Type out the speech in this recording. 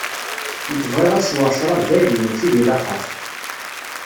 Nekk bɣiɣ ad sweɣ ccrab dagi, mačči deg laxeṛt.